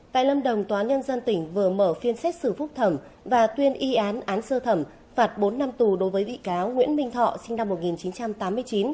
tại lâm đồng tòa án nhân dân tỉnh vừa mở phiên xét xử phúc thẩm và tuyên y án sơ thẩm phạt bốn năm tù đối với bị cáo nguyễn minh thọ sinh năm một nghìn chín trăm tám mươi chín